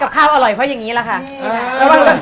ข้าวอร่อยเพราะอย่างนี้แหละค่ะ